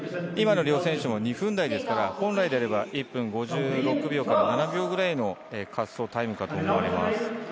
今の両選手も２分台ですから、本来は１分５６秒から７秒ぐらいの滑走タイムかと思います。